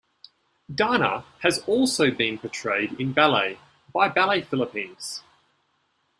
Darna has also been portrayed in ballet by Ballet Philippines.